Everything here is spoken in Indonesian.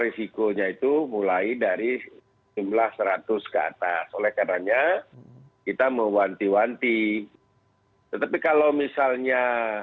risikonya itu mulai dari jumlah seratus ke atas oleh karena kita mewanti wanti tetapi kalau misalnya